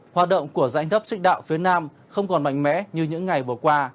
hoạt động của dãy thấp xích đạo phía nam không còn mạnh mẽ như những ngày vừa qua